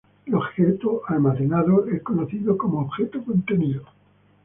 El objeto almacenado es conocido como "objeto contenido".